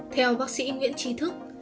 theo bác sĩ nguyễn trì thức